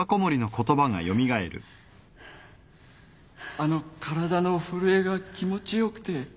あの体の震えが気持ち良くて